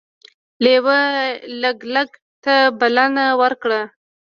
لیوه لګلګ ته بلنه ورکړه.